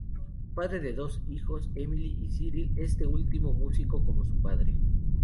Padre de dos hijos Emily y Cyril este último músico como su padre.